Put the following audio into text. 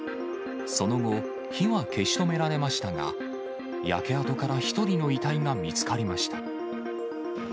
その後、火は消し止められましたが、焼け跡から１人の遺体が見つかりました。